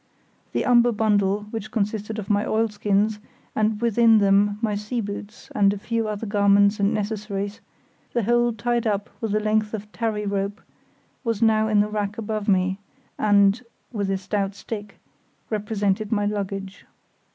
The umber bundle, which consisted of my oilskins, and within them my sea boots and a few other garments and necessaries, the whole tied up with a length of tarry rope, was now in the rack above me, and (with a stout stick) represented my luggage.